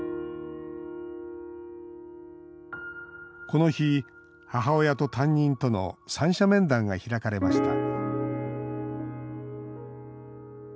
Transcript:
この日、母親と担任との三者面談が開かれました